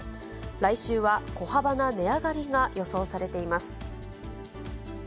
来週は小幅な値上がりが予想されています。